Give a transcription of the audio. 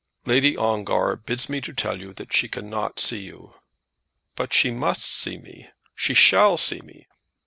"Lady Ongar bids me tell you that she cannot see you." "But she must see me. She shall see me!"